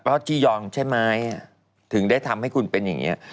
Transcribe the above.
เพราะจี้ยองใช่ไหมถึงได้ทำให้คุณเป็นอย่างนี้